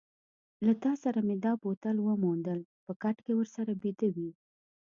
له تا سره مې دا بوتل وموندل، په کټ کې ورسره بیده وې.